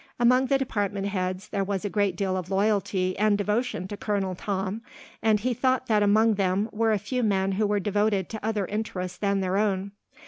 Among the department heads there was a great deal of loyalty and devotion to Colonel Tom, and he thought that among them were a few men who were devoted to other interests than their own.